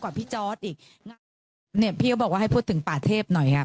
กว่าพี่จอสอีกเนี่ยพี่เขาบอกว่าให้พูดถึงป่าเทพหน่อยอ่ะ